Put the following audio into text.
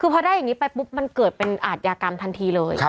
คือพอได้อย่างนี้ไปปุ๊บมันเกิดเป็นอาทยากรรมทันทีเลย